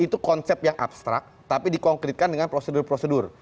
itu konteks yang abstrak tapi di konkretkan dengan prosedur prosedur